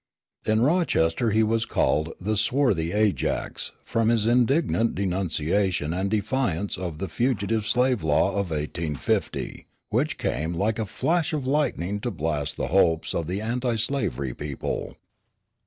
In Rochester he was called the "swarthy Ajax," from his indignant denunciation and defiance of the Fugitive Slave Law of 1850, which came like a flash of lightning to blast the hopes of the anti slavery people.